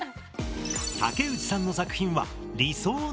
竹内さんの作品は「理想の未来」。